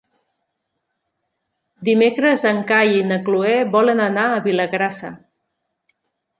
Dimecres en Cai i na Cloè volen anar a Vilagrassa.